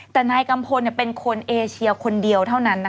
แต่นายกัมพลเป็นคนเอเชียคนเดียวเท่านั้น